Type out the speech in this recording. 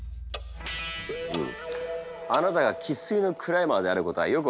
あなたが生っ粋のクライマーであることはよく分かった。